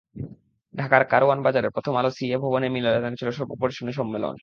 ঢাকার কারওয়ান বাজারে প্রথম আলো সিএ ভবন মিলনায়তনে ছিল স্বল্প পরিসরে সম্মেলন।